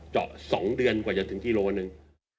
เจาะ๒เดือนกว่าจะถึงกิโลหนึ่ง